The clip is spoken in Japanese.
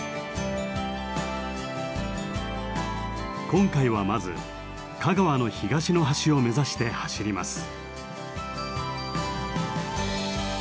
今回はまず香川の東の端を目指して走ります。